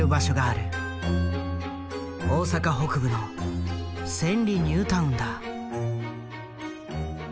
大阪北部の千里ニュータウンだ。